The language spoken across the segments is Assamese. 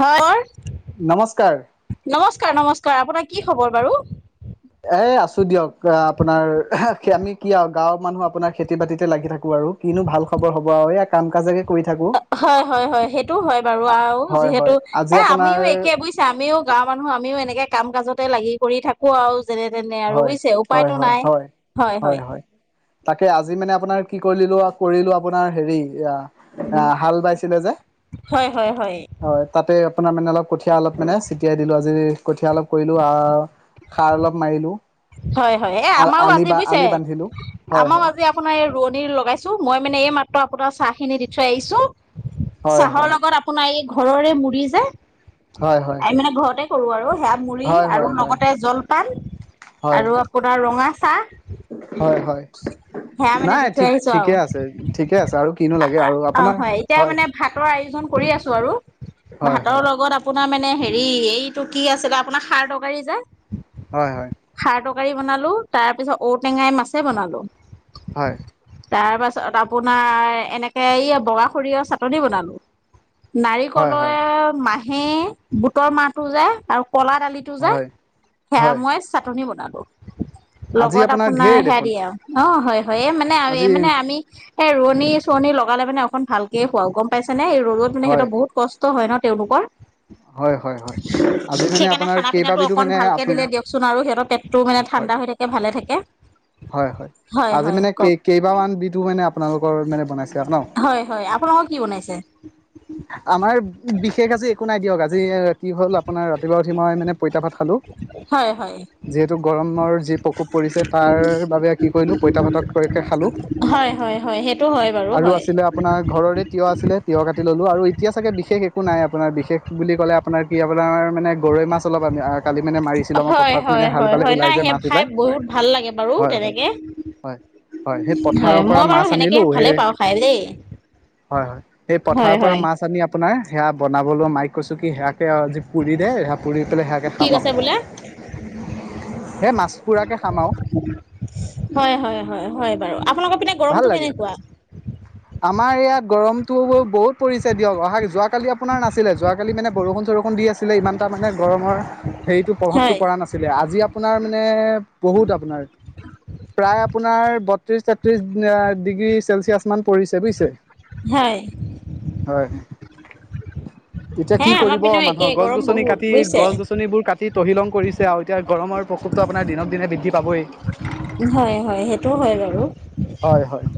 হয়। [unintelligible] নমস্কাৰ। নমস্কাৰ, নমস্কাৰ আপোনাক কি খবৰ বাৰু? এ আছো দিয়ক আপোনাৰ [unintelligible] আমি, কি আৰু গাঁৱৰ মানুহ আপোনাৰ খেতি বাতিতে লাগি থাকো আৰু কিনো ভাল খবৰ হ'ব আৰু এইয়া কাম কাজকে কৰি থাকো হয, হয়, হয়। সেইটো হয় বাৰু আৰু হয় যিহেতু হয় আজি এ আপোনাৰ আমিও একে বুইছ আমিও গাৱৰ মানুহ আমিও এনেকে কাম কাজতে লাগি কৰি থাকো আৰু যেনে তেনে আৰু হয় বুজিছে হয় উপায়তটো হয় নাই হয় হয় হয়। তাকে আজি মানে আপোনাৰ কি কৰি দিলোঁ কৰিলোঁ আপোনাৰ হেৰি আ হাল বাইছিলে যে হয়, হয়, হয়। হয়। তাতে আপোনাৰ মানে অলপ কঠীয়া অলপ মানে ছটিয়াই দিলো আজি কঠীয়া অলপ কৰিলো আ সাৰ অলপ মাৰিলোঁ হয়, হয়। এ আমাৰো আজি বুজিছে বান্ধিলো হয় আমাৰো হয় আজি আপোনাৰ এই ৰোৱনিৰ লগাইছো মই মানে এই মাত্ৰ আপোনাৰ চাহ খিনি দি থৈ আহিছো হয় চাহৰ হয় লগত আপোনাৰ এই ঘৰৰে মুৰি যে হয় হয় আমি মানে ঘৰতে কৰো আৰু সেয়া মুড়ি হয় আৰু হয় হয় লগতে জলপান হয় আৰু আপোনাৰ ৰঙা চাহ। হয়, হয়। সেয়া মানে নাই দি থৈ ঠিক আহিছো আৰু ঠিকে আছে ঠিকে আছে আৰু কিনো লাগে আৰু অ আপোনাৰ হয় এতিয়া হয় মানে ভাতৰ আয়োজন কৰি আছো আৰু হয় ভাতৰ হয় লগত আপো আপোনাৰ মানে হেৰি এইটো কি আছিলে আপোনাৰ খাৰ তৰকাৰী যে হয়, হয়। খাৰ তৰকাৰী বনালোঁ তাৰপিছত ঔটেঙাই মাছে বনালোঁ। হয়। তাৰ পাছত আপোনাৰ এনেকে এই বগা সৰিয়হৰ চাটনি বনালো। নাৰিকলৰ হয় মাহে বুটৰ মাহটো যে আৰু কলা দালি- টো হয় যে হয় সেয়া হয় মই চাটনি বনালো, আজি লগত আপোনাৰ ঢেৰ সেয়া দেখোন দিয়ে আৰু। অঁ' হয় হয়, এই মানে আমি আজি এই মানে আমি- এ ৰোৱনী চোৱনী লগালে মানে অকন ভালকে খোৱাও গম পাইছেনে? এই ৰ'দট মানে হয় হেঁতৰ বহুত কচ- ষ্ট হয় ন তেওঁলোকৰ। হয় হয় হয় আজি মানে সেইকাৰণে আপোনাৰ খানা পিনাটো কেইবাবিধো অকণ মানে ভালকে আপ দিলে দিয়কচোন- চোন আৰু সিহঁতৰ পেটটো মানে হয় ঠাণ্ডা হৈ থাকে ভালে থাকে, হয় হয় আজি হয় মানে কেই কওক। কেইবামান দিটো মানে আপোনালোকৰ মানে বনাইছে। কে ন, হয় হয় আপোনালোকৰ কি বনাইছে? আমাৰ বিশেষ আজি- একো নাই দিয়ক আজি কি হ'ল আপোনাৰ ৰাতিপুৱা উঠি মই মানে পইতা ভাত খালো। হয় হয়। যিহেতু গৰমৰ যি প্ৰকোপ পৰিছে তাৰ বাবে কি কৰিলো পইতা ভাত কৰিকে খালো। হয় হয় হয়, সেইটো হয় বাৰু। আৰু হয়। আছিলে আপোনাৰ ঘৰৰে তিয়হ আছিলে তিয়হ কাটি ললো, আৰু এতিয়া চাগে বিশেষ একো নাই আপোনাৰ বিশে- শেষ বুলি ক'লে আপোনাৰ কি আপোনাৰ মানে- গৰৈ মাছ অলপ আমি কালি মানে মাৰিছিলো আমাৰ হয় পথাৰত হয় মানে হাল হয় বালে হয় নাই ওলাই যে সেই মাছ খাই ওলাই। বহুত ভাল লাগে বাৰু হয় হয় তেনেকে। হয় হয় সেই পথাৰৰ হয়, পৰা মই বাৰু মাছ সেনেকে আনিলো ভালে সেই পাওঁ খাই দেই। হয় হয়, এই হয় পথাৰৰ পৰা হয় মাছ আনি আপোনাৰ সেয়া বনাবলো মাই- কৈছো কি সেয়াকে আৰু আজি পুৰি দে সেয়া পুৰি পেলাই সেয়াকে কি খাম কৈছে আৰু। বোলে এ মাছ পুৰাকে খাম আৰু। হয় হয় হয় হয় বাৰু, আপোনালোকৰ পিনে- ভাল গৰমটো লাগে, কেনেকুৱা? আমাৰ এয়াত গৰমটো বহুত পৰিছে দিয়ক, অহা যোৱাকালি- পোনাৰ নাছিলে যোৱাকালি মানে বৰষুণ চৰষুণ দি আছিলে ইমানটা মানে গৰমৰ হেৰিটো প্ৰভাৱটো হয় পৰা নাছি- ছিলে। আজি আপোনাৰ মানে বহুত আপোনাৰ প্ৰায় আপোনাৰ বত্ৰিশ তেট- ত্ৰিশ ডিগ্ৰী চেলচিয়াছ মান পৰিছে বুজিছে। হয় হয়। এতিয়া হে কি আমাৰ কৰিব পিনেও মানুহক একেই গছ গৰম গছনি বহুত কাটি বুজিছে গছ গছনিবোৰ কাটি- তহিলং কৰিছে আৰু এতিয়া গৰমৰ প্ৰকোপটো আপোনাৰ দিনক দিনে বৃদ্ধি পাবই। হয় হয়, সেইটো হয় বাৰু। হয় হয়।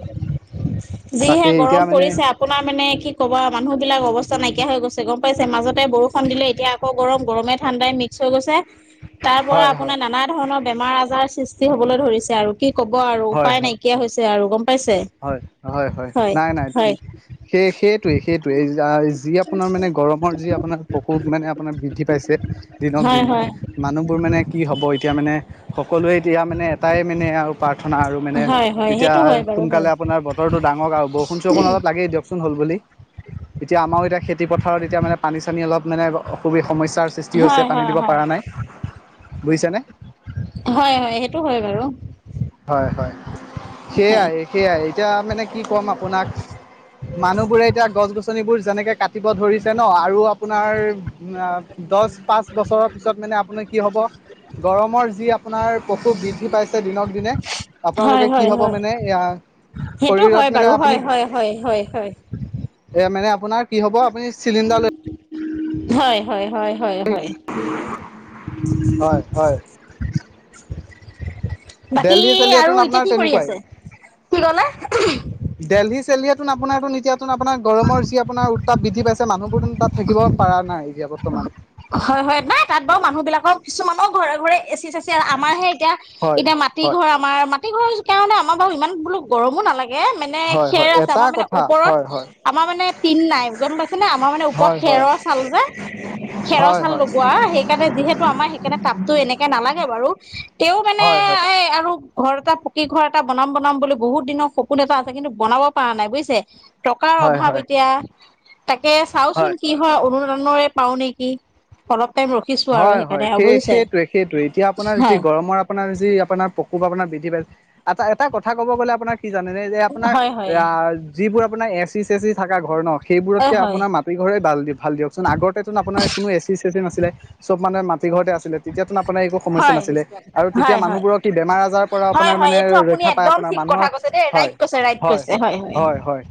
যিহে তাকেই এতিয়া গৰম মানে পৰিছে আপোনাৰ মানে কি ক'বা আও? মানুহ বিলাক অৱস্থা নাইকিয়া হৈ গৈছে। গম পাইছে, মাজতে বৰষুণ দিলে এতিয়া আক গৰম গৰমে ঠাণ্ডাই মিক- ক্স হৈ গৈছে। তাৰ পৰা হয় হয় আপোনাৰ নানা ধৰণৰ বেমাৰ আজাৰ সৃষ্টি হ'বলৈ ধৰিছে আৰু। কি ক'ব আৰু হয় উপায় হয় নাইকিয়া হৈছে আৰু, গম পাইছে? হয়, হয় হয় নাই নাই, সেই সেই- টোৱেই সেইটোৱেই যি আপোনাৰ মানে গৰমৰ যি আপোনাৰ প্ৰকোপ মানে আপোনাৰ বৃদ্ধি পাইছে- দিনক হয় দিনে হয়। মানুহবোৰ মানে কি হ'ব এতিয়া মানে- সকলোৱে এতিয়া মানে এটাই মানে আৰু প্ৰাৰ্থনা আৰু মানে, হয় হয় সেইটো তেতিয়া- হয় বাৰু সোনকালে হয় আপোনাৰ বতৰ ডাঙক‌ আৰু, বৰষুণ চৰষুণ অলপ লাগেই দিয়কচো- চোন হ'ল বুলি। এতিয়া আমাৰো এতিয়া খেতি পথাৰত এতিয়া মানে পানী চানী অলপ মানে অসুবি সমস্যা- স্যাৰ সৃষ্টি হৈছে, হয় পানী হয় দিব হয় পৰা নাই। বুজিছনে? হয় হয়, সেইটো হয় বাৰু। হয় হয় সেয়াই সেয়াই এতিয়া মানে কি ক'ম আপোনাক। মানুহ বোৰে এতিয়া গছ গছনিবোৰ যেনেকে কাটিব ধৰিছে ন আৰু আপোনাৰ। দহ পাঁচ বছৰৰ পিছত মানে আপোনাৰ কি হ'ব। গৰমৰ যি আপোনাৰ প্ৰকোপ বৃদ্ধি পাইছে দিনক দিনে। হয় আপোনালোকে কি হ'ব হয় মানে সেইটো হয় শৰীৰত মানে বাৰু হয় আপুনি, হয় হয় হয় হয় এ মানে আপোনাৰ কি হ'ব আপুনি চিলিণ্ডাৰ লৈ হয় হয় হয় হয় হয়। হয় হয়। বাকী দেলহি চেলহিয়েতোন আৰু এতিয়া আপোনাৰ কি কৰি তেনেকুৱাই আছে কি ক'লে। দেলহী চেলহীয়ে চোন আপোনাৰ চোন এতিয়াচোন আপোনাৰ গৰমৰ যি আপোনাৰ তাপ বৃদ্ধি পাইছে মানুহবোৰ চোন তাত থাকিব পৰা নাই এতিয়া বৰ্তমান। হয় হয় নাই তাত বাৰু মানুহ বিলাকৰ কিছুমানৰ ঘৰে ঘৰে এচি চেচি আমাৰ হে এতিয়া হয় এতিয়া মাটি হয় ঘৰ আমাৰ মাটি ঘৰ কাৰণে আমাৰ বাৰু ইমান বোলো গৰমো নালাগে। এই মানে হয় খেৰ হয় আছে এটা আমাৰ মানে কথা ওপৰত। হয় হয় আমাৰ মানে তিন নাই গম পাইছেনে আমাৰ মানে ওপৰত হয় হয় খেৰৰ চাল যে। খেৰৰ হয় চাল হয় লগোৱা সেইকাৰণে যিহেতু আমাৰ সেইকাৰণে তাপতো এনেকে নালাগে বাৰু তেওঁ মানে হয় হয় এই আৰু ঘৰ এটা পকী ঘৰ এটা বনাম বনাম বুলি বহুত দিনৰ সপোন এটা আছে কিন্তু বনাব পৰা নাই বুজিছে। টকাৰ হয় অভাৱ হয় এতিয়া তাকে চাওচোন কি হয় অৰুনুদয় পাওঁ নেকি, কি অলপ টাইম ৰ হয় হয় সেই সেইটোয়ে সেইটোয়ে এতিয়া আপোনাৰ যি হয় গৰমৰ আ আপোনাৰ যি আপোনাৰ পকুপ বৃদ্ধি পাই এটা এটা কথা ক'ব গ'লে আপোনাৰ। কি জানে যে আপোনাৰ হয় এ হয় যিবোৰ আপোনাৰ এচি চেচি থকা ঘৰ ন, অ সেইবোৰতকে হয় আপোনাৰ মাটি ঘৰেই ভাল দিয়কচোন আগতেচোন আপোনাৰ কোনো এচি চেচি নাছিলে। চব মানে মাটি ঘৰতে আছিলে তেতিয়াতো আপোনাৰ একো সমস্যা হয় নাছিলে তেতিয়া হয় হয় মানুহবোৰক কি বেমাৰ আজাৰ। পৰা হয় আপোনাৰ হয় মানে এইটো আপুনি ৰক্ষা পায় একদম আপোনাৰ ঠিক মানুহৰ কথা কৈছে দেই হয় ৰাইট কৈছে ৰাইট হয় কৈছে হয়। হয়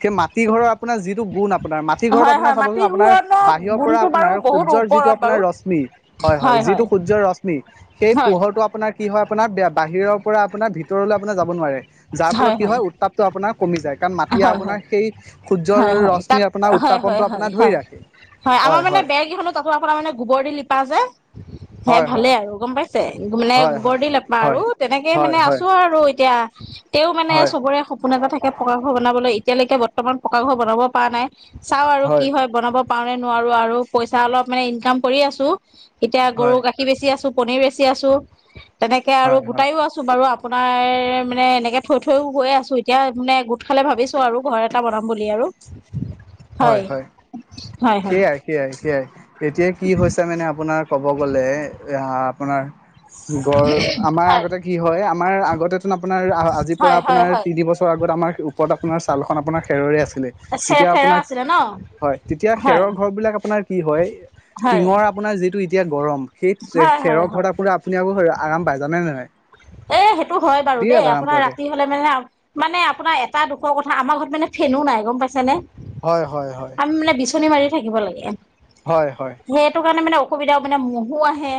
সেই মাটি ঘৰৰ আপোনাৰ যিটো গুণ আ আপোনাৰ মাটি ঘৰত হয় আপোনাৰ হয় চাবচোন মাটি আপোনাৰ ঘূৰণক বাহিৰৰ পৰা গুণটো বাৰু আপোনাৰ বহুত সূৰ্যৰ যিটো ওপৰত আপোনাৰ বাৰু ৰশ্মি, হয় হয় যিটো সূৰ্যৰ ৰশ্মি সেই হয় পোহৰটো আপোনাৰ। কি হয় আপোনাৰ বাহিৰৰ পৰা আপোনাৰ ভিতৰলৈ আপোনাৰ যাব নোৱাৰে যাৰ ফলত কি হয়। তাপটো আপোনাৰ কমি যায় কাৰণ মাটিয়ে হয় আপোনাৰ হয় সেই, সূৰ্যৰ হয় হয় ৰশ্মিৰ তাত আপোনাৰ হয় উত্তাপনটো হয় হয় আপোনাৰ ধৰি ৰাখে হয় হয়, তাতটো আপোনাৰ মানে গোবৰ দি লিপা যে। হে হয় ভালে হয় আৰু গম পাইছে মানে হয় গোবৰ হয় দি লেপা আৰু হয় তেনেকে মানে হয় আছো হয় আৰু এতিয়া। তেও মানে হয় চবৰে সপোন এটা থাকে পকা ঘৰ বনাবলৈ এতিয়ালৈকে বৰ্তমান পকা ঘৰ বনাব পৰা নাই। চাও আৰু কি হয় বনাব পাৰো নে নোৱাৰো আৰু পইচা অলপ মানে ইনকাম কৰি আছো। এতিয়া গৰু হয় গাখীৰ বেছি আছো পনিৰ বেচি আছো তেনেকে আৰু হয় হয় গোটাইও আছো। বাৰু আপোনাৰ মানে এনেকে থৈ থৈও গৈ আছো এতিয়া মানে গোট খালে ভাবিছো আৰু ঘৰ এটা বনাম, বুলি আৰু হয় হয় হয় হয় সেইয়াই সেইয়াই সেইয়াই এতিয়া কি হৈছে মানে আপোনাৰ, ক'ব গ'লে এ আপোনাৰ গড় আমাৰ হয় আগতে কি হয় আমাৰ আগতে, আপোনাৰ আজিৰ পৰা হয় হয় আপোনাৰ হয় তিন বছৰ আগত আমাৰ ওপৰত আপোনাৰ চালখন আপোনাৰ খেৰৰে আছিলে। আছে তেতিয়া খেৰ আপোনাৰ আছে, হয় তেতিয়া খেৰৰ ঘৰ বিলাক আপোনাৰ কি হয় হয় টিঙৰ আপোনাৰ যিটো এতিয়া গৰম। সেই হয় খেৰ হয় হয় ঘৰ আপুনি আকৌ আপুনি আৰাম যানে নে নাই। এ সেইটো হয় বাৰু বিৰাট দেই আৰাম আপোনাৰ পোৱা যায় ৰাতি লে মানে মানে আপোনাৰ এটা দুখৰ কথা আমাৰ ঘৰত মানে ফেনো নাই গম পাইছে নে। হয় হয় হয়। আমি মানে বিচনী মাৰি থাকিব লাগে। হয় হয়। সেইটো কাৰণে মানে অসুবিধাও মানে মহো আহে,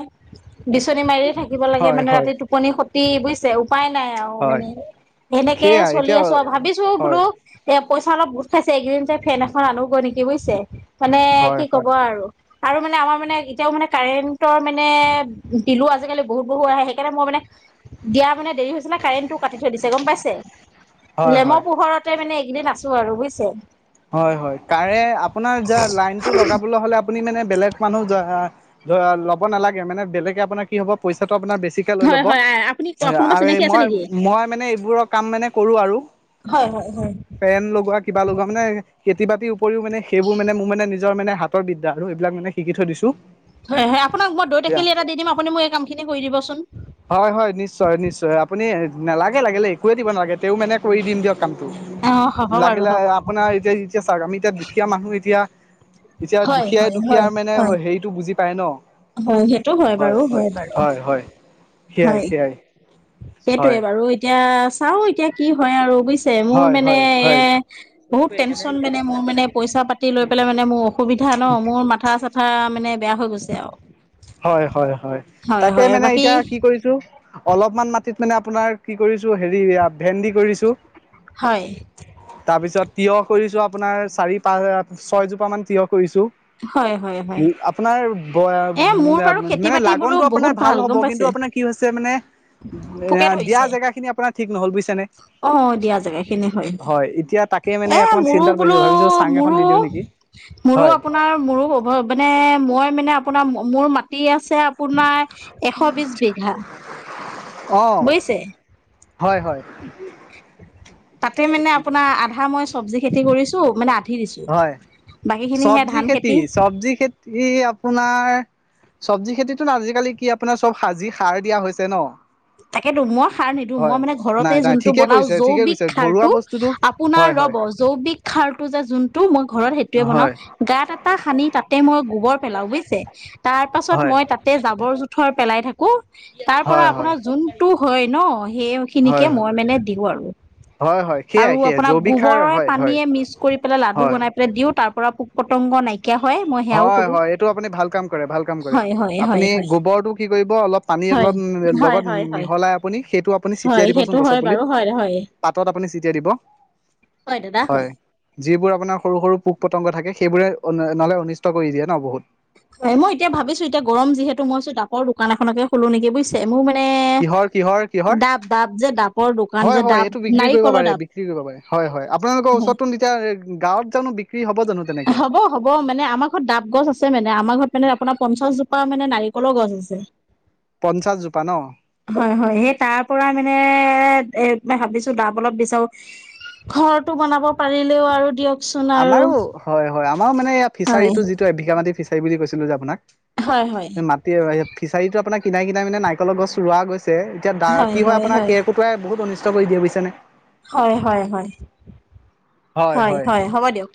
বিচনী মাৰিয়ে থাকিব লাগে হয় মানে হয় ৰাতি টু টোপনি খতি বুজিছে উপায় নাই আৰু হয় মানে হেনেকে সেয়াই চলি এতিয়া আছো আৰু ভাবিছো হয় বোলো এ পইচা অলপ গোট খাইছে এইকেইদিন যে ফেন এখন আনোগৈ নেকি বুজিছে মানে হয় হয় কি হয় কব আৰু। আৰু মানে আমাৰ মানে এতিয়াও মানে কাৰেণ্টৰ মানে বিলো আজিকালি বহুত বহুত আহে সেইকাৰণে মই মানে দিয়া মানে দেৰি হৈছে নে কাৰেণ্টটো কাটি থৈ দিছে গম পাইছে, হয় লেমৰ হয় পোহৰত তেই মানে এইকেইদিন আছো আৰু বুজিছে। হয় হয় কাৰে আপোনাৰ যা লাইনতটো লগাবলৈ হ'লে আপ আপুনি মানে বেলেগ মানুহ যা আ ল'ব নালাগে মানে বেলেগে আপোনাৰ কি হ'ব পইচাটো আপোনাৰ বেছিকে লৈ হয় ল'ব আপুনি হয় কোনোবা আৰু চিনাকি আছে মই নেকি মই মানে এইবোৰৰ কাম মানে কৰো আৰু হয় হয় হয়। ফেন লগোৱা কিবা লগোৱা মানে খেতি-বাতি উপৰিও মানে সেইবোৰ মানে মোৰ মানে নিজৰ মানে হাত হাতৰ বিদ্যা আৰু এইবিলাক মানে শিকি থৈ দিছো। হয় হয় আপোনাক মই দৈ তটাকেলি এটা দি দিম আপুনি মোক এই কামখিনি কৰি দিবচোন। হয় হয় নিশ্চয় নিশ্চয় আপুনি নালাগে লাগিল একোৱে দিব নালাগে তে মানে কৰি দিম দিয়ক কামটো। অ হ'ব বাৰু লাগিলে হ'ব হ'ব আপোনাৰ এতিয়া এতিয়া চাওক আমি এতিয়া দুখীয়া মানুহ এতিয়া এতিয়া হয় দুখীয়াই হয় হয় দুখীয়াৰ মানে হয় হেৰিতটো বুজি পায় ন। হয় সেইটো হয় বাৰু হয়, বাৰু হয় হয় সেয়াই হয় সেয়াই। হয় সেইটোয়ে বাৰু এতিয়া চাওঁ এতিয়া কি হয় আৰু বুজিছ মোৰ হয় মানে হয় হয় এ বহুত টেনচন মানে মোৰ মানে পইচা পাতি লৈ পেলাই মানে মোৰ অসুবিধা ন মোৰ মাথা-চাথা মানে বেয়া হৈ গৈছে আৰু। হয় হয় হয় তাকে হয় মানে বাকী এতিয়া কি কৰিছো অলপমান মাটিত মানে আপোনাৰ কি কৰিছো হেৰি ভেন্দি কৰিছো হয়। তাৰ পিছত তিঁয়হ কৰিছো আপোনাৰ চাৰি পাঁচ ছয়জোপা মান তিয়ঁহ কৰিছো। হয় হয় হয় উ এ মোৰ বাৰু আপোনাৰ খেতি মানে বাতি বোলো লাগনতটো বহুত আপোনাৰ ভাল হ'ব গম পাইছে কিন্তু আপোনাৰ কি হৈছে মানে পোকে এ দিয়া ধৰিছে জেগা খিনি আপোনাৰ ঠিক নহ'ল বুজিছে নে। অ দিয়া জেগা এইখিনিয়ে হয়। তাকে মানে এ অকমান মোৰো চিন্তাত পৰিছো বোলো ভাবিছো চাং এখন মোৰো দি দিওঁ নেকি মোৰো হয় আপোনাৰ মোৰো মানে মই মানে আপোনাৰ মোৰ মাত মাটি আছে আপোনাৰ এশ বিশ বিঘা। অ বুজিছে? হয়, হয়। তাতে মানে আপোনাৰ আধা মই চৱজি খেতি কৰিছোঁ মানে আধা হয়, চৱজি খেতি, চৱজি খেতি আপোনাৰ চৱজি খেতিতো আজিকালি কি আপোনাৰ চব সাজি সাৰ দিয়া হৈছে ন তাকেতো, মই সাৰ নিদো মই হয় মানে ঘৰতে নাই নাই যোনটো ঠিকে বনাওঁ কৰিছে ঠিকে জৈৱিক কৰিছে ঘৰুৱা সাৰটো বস্তুটো আপোনাৰ হয় হয় ৰ'ব জৈৱিক সাৰটো যে যোন মই ঘৰত সেইটোয়ে বনাওঁ, হয় গাত এটা খানি তাতে মই গোবৰ পেলাও বুইছে? তাৰপাছত হয় মই তাতে যাবৰ জো থৰ পেলাই থাকো, তাৰপৰা হয় হয় আপোনাৰ যোনটো হয়ন সেইখিনিকে হয় হয় মই মানে দিওঁ আৰু। হয় হয় আৰু সেয়াই সেয়াই আপোনাৰ জৈৱিক সাৰ গোবৰৰে, হয় হয় পানীয়ে মিক্স কৰি পেলাই লাডু হয় বনাই দিওঁ তাৰপৰা পোক পতংগ নাই কিয়া হয়, মই সেয়াও হয়, কৰো হয়, এইটো আপুনি ভাল কাম কৰে, ভাল কাম কৰে। হয় হয় হয় আপুনি হয় গোবৰটো কি কৰিব, অলপ পানী হয় অলপ হয় লগত হয় হয় মিহলাই আপুনি সেইটো আপুনি হয় ছিটিয়াই সেইটো দিবচোন হয় গছৰ বাৰু হয় হয় পুলিত পাতত আপুনি ছটিয়াই দিব। হয়, দাদা হয়। যিবোৰ আপোনাৰ সৰু সৰু পোক পতংগ থাকে সেইবোৰে নহ'লে অনিষ্ট কৰি দিয়ে ন বহুত। মই এতিয়া ভাবিছো এতিয়া গৰম যিহেতু মই ভাবিছোঁ ডাবৰ দোকান এখনএকে খুলো নেকি বুইছ মোৰ মানে কিহৰ কিহৰ কিহৰ ডাব, ডাব যে, ডাবৰ দোকান হয় যে, হয় ডাব এইটো বিক্ৰী কৰিব নাৰিকলৰ পাৰে ডাব বিক্ৰী কৰিব পাৰে হয়, হয়, আপোনালোকৰ ওচৰতো এতিয়া গাঁৱত জানো বিক্ৰী হ'ব জানো তেনেকে? হ'ব, হ'ব মানে আমাৰ ঘৰত ডাব গছ আছে মানে, আমাৰ ঘৰত মানে আপোনাৰ পঞ্চাশজোপা মানে নাৰিকলৰ গছ আছে। পঞ্চাশজোপা ন? হয়, হয়, হেই তাৰ পৰা মানে এ, ভাবিছোঁ ডাব অলপ বিচাৰোঁ। ঘৰটো বনাব পাৰিলেওঁ আৰু দিয়ক। আমাৰো হয়, হয়, আমাৰো মানে এ হয় ফিচাৰীটো যিটো এবিঘা মাটি ফিচাৰী বুলি কৈছিলোঁ যে, আপোনাক। হয়, হয়। মাটি আৰু, বাৰীয়ে ফিচাৰীতটো আপোনাৰ কিনাই, কিনাই মানে, নাৰিকলৰ গছ ৰোৱা গৈছে এতিয়া দাৰ কি হয়, আপোনাৰ কেৰকুত কোটোৱাই বহুত অনিষ্ট দিয়ে বুইছেনে। হয়, হয়, হয়, হয়, হয়, হ'ব দিয়ক।